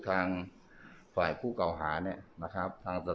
ตอนนี้ก็ไม่มีอัศวินทรีย์